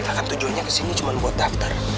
kita akan tujuannya ke sini cuma buat daftar